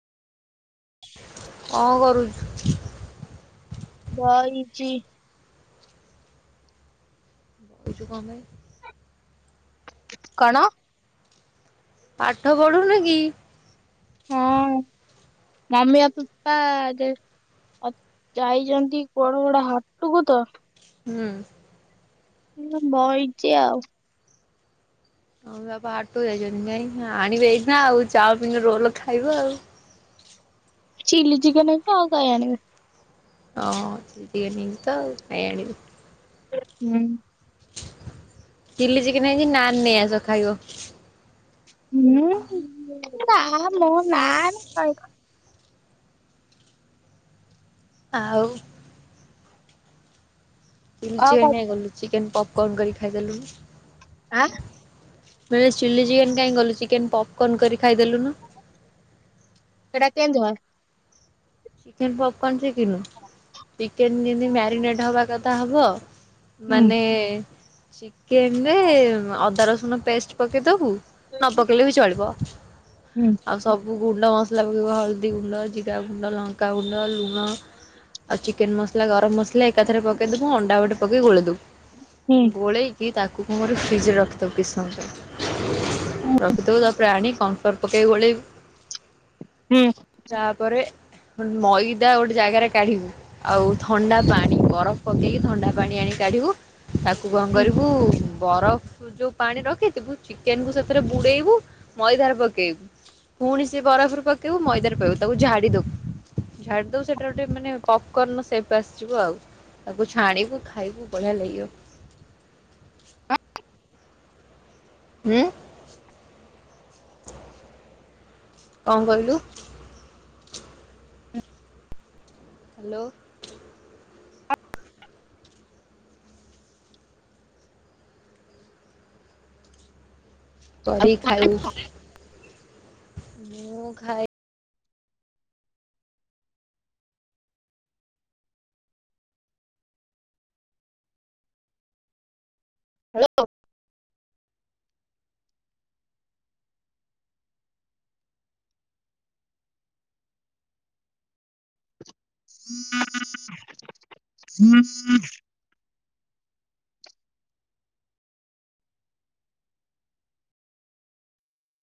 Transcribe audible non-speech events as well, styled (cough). କଣ କରୁଛ ବଇଚି ଛୁ କଣ ପାଇଁ? କଣ ପାଠ ପଢୁନୁ କି? ହଁ (unintelligible) ଆ ଯାଇଚନ୍ତି କୁଆଡେ ଗୋଟେ ହାଟକୁ ତ। ହୁଁ ବଇଚି ଆଉ ହଁ ବାପା ହାଟ ଯାଇଚନ୍ତି ଯାଇଁ ଆଣିବେ ଏଇଖିନା ଆଉ ଚାଉମିନ ରୋଲ ଖାଇବ ଆଉ। ଚିଲି ଚିକେନ (unintelligible) ଆଉ କାଇଁ ଆଣିବେ। ହଁ (inaudible) ହୁଁ। ଚିଲ୍ଲି ଚିକେନ ହେଇଛି ନାନ୍ ନେଇ ଆସ ଖାଇବ। ହୁଁ ନା ମୋ ନାନ୍ ଖାଇ ଆଉ। ଚିଲି ଚିକେନ୍ ଆଁ କାଇଁ କଲୁ ଚିକେନ ପପ୍ କର୍ଣ୍ଣ କରି ଖାଇଦେଲୁନି। ଆଁ ମୁଁ (unintelligible) ଚିଲ୍ଲି ଚିକେନ୍ କାଇଁ କଲୁ ଚିକେନ ପପ୍ କର୍ଣ୍ଣ କରି ଖାଇଦେଲୁନି। ସେଟା କେମତି ହଏ ଚିକେନ ପପ୍ କର୍ଣ୍ଣ ସିଖିନୁ ଚିକେନ ଯେମିତି ମ୍ୟାରିନେଟ୍ ହବା କଥା ହବ ହୁଁ ମାନେ ଚିକେନ ରେ ଅଦା ରସୁଣ ପେଷ୍ଟ ପକେଇଦବୁ। ନ (inaudible) କେଇଲେ ବି ଚଳିବ ହୁଁ ଆଉ ସବୁ ଗୁଣ୍ଡ ମସଲା ପକେଇବୁ ହଳଦୀଗୁଣ୍ଡ ଜିଗାଗୁଣ୍ଡ ଲାଙ୍କ ଙ୍କା ଗୁଣ୍ଡ ଲୁଣ ଆଉ ଚିକେନ ମସଲା ଗରମ ମସଲା ଏକାଥରେ ପକେଇଦବୁ ଆଣ୍ଡା ଗୋଟେ ପକେଇ ଗୋଳେଇ ଦବୁ। ହୁଁ ଗୋଳେଇକି ତାକୁ କଂ କରିବୁ ଫ୍ରିଜ୍ ରେ ରଖିଦବୁ କିଛ୍ ସମ। ରଖିଦବୁ ତାପ୍ରେ ଆଣିକି କନ୍ଫର୍ଟ ପକେଇବି ଗଳେଇବ। ହୁଁ। ତାପରେ ମଇଦା ଗୋଟେ ଜାଗାରେ କାଢିବୁ। ଆଉ ଥଣ୍ଡା ପାଣି ବରଫ୍ ପକେଇକି ଥଣ୍ଡା ପାଣି ଆଣି କାଢିବୁ। ତାକୁ କଣ କରିବୁ ବରଫ୍ ଯୋଉ ପାଣି ରଖିଥିବୁ ଚିକେନ୍ କୁ ସେଥିରେ ବୁଡେଇବୁ ମଇଦାରେ ପକେଇବୁ। ପୁଣି ସେ ବରଫ୍ରୁ ପକେଇବୁ ମଇଦାରେ ପକେଇବୁ ତାକୁ ଝାଡି ଦବୁ। ଝାଡି ଦବୁ ସେଟା ଗୋଟେ ମାନେ ପପ୍ କର୍ଣ୍ଣ ସେଫ୍ ଆସିଯିବ ଆଉ। ତାକୁ ଛାଣିବୁ ଖାଇବୁ ବଢିଆ ଲାଗିବ। ହୁଁ କଣ କହିଲୁ। ହାଲୋ। କରିକ୍ ଖାଇବୁ। ମୁଁ ଖାଇ (unintelligible) (inaudible)